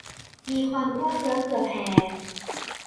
มีความเอื้อเฟื้อเผื่อแผ่